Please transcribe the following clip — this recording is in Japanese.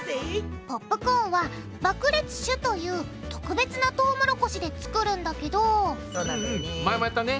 ポップコーンは爆裂種という特別なトウモロコシで作るんだけどそうなんだよね。